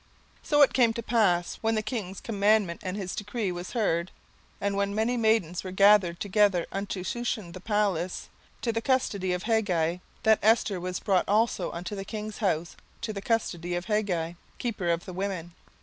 17:002:008 So it came to pass, when the king's commandment and his decree was heard, and when many maidens were gathered together unto Shushan the palace, to the custody of Hegai, that Esther was brought also unto the king's house, to the custody of Hegai, keeper of the women.